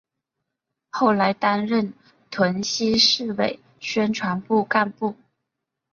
后来担任屯溪市委宣传部干部。